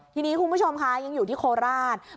ทีนี้คุณผู้ชมค่ะยังอยู่ที่โคราช